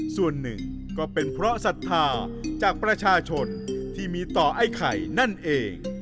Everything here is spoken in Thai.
ส่วนหนึ่งก็เป็นเพราะศรัทธาจากประชาชนที่มีต่อไอ้ไข่นั่นเอง